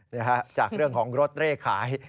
นี่ฮะจากเรื่องของรถเร่ขาย